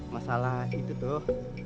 masalah itu tuh